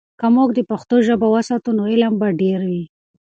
که موږ د پښتو ژبه وساتو، نو علم به ډیر وي.